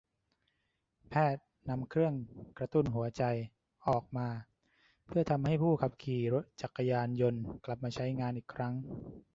แพทย์นำเครื่องกระตุ้นหัวใจออกมาเพื่อทำให้ผู้ขับขี่รถจักรยานยนต์กลับมาใช้งานอีกครั้ง